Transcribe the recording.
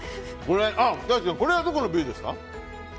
これはどこの部位ですか？